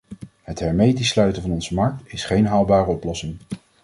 Het hermetisch sluiten van onze markt is geen haalbare oplossing.